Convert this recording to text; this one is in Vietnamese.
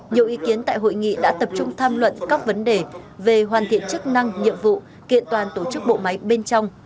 nhiều ý kiến tại hội nghị đã tập trung tham luận các vấn đề về hoàn thiện chức năng nhiệm vụ kiện toàn tổ chức bộ máy bên trong